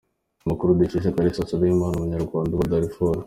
Amakuru dukesha Kalisa Sulaiman, umunyarwanda uba Darfur.